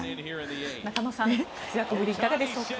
中野さん活躍ぶり、いかがでしょうか。